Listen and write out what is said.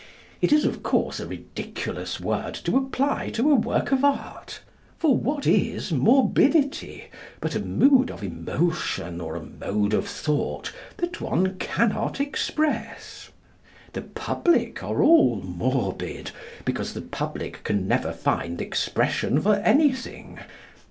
It is, of course, a ridiculous word to apply to a work of art. For what is morbidity but a mood of emotion or a mode of thought that one cannot express? The public are all morbid, because the public can never find expression for anything.